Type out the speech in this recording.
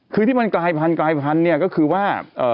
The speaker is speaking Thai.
คือที่มันกลายพันธุ์ก็คือว่า